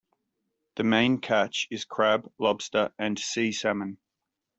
The main catch is crab, lobster and sea salmon.